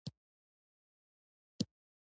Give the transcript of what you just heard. د بغلان په جلګه کې د ډبرو سکاره شته.